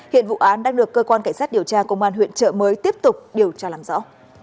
hiện vụ án đang được cơ quan cảnh sát điều tra công an huyện trợ mới tiếp tục điều tra làm rõ